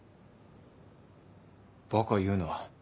バカ言うな。